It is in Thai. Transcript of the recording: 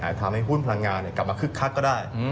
ทำให้หุ้นพลังงานกลับมาคึกคักก็ได้